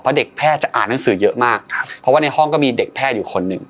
เพราะเด็กแพทย์จะอ่านหนังสือเยอะมากครับเพราะว่าในห้องก็มีเด็กแพทย์อยู่คนหนึ่ง